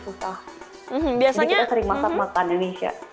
susah jadi kita sering masak makan indonesia